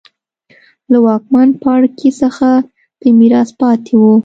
له واکمن پاړکي څخه په میراث پاتې وو.